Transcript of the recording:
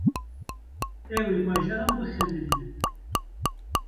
Ew ê bajaran bixemilînin.